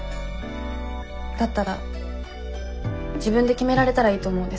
だったら自分で決められたらいいと思うんです。